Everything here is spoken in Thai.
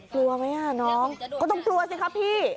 กลัวไหมน้องก็ต้องกลัวสิครับพี่